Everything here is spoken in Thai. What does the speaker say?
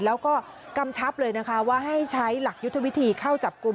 แล้วก็กำชับเลยนะคะว่าให้ใช้หลักยุทธวิธีเข้าจับกลุ่ม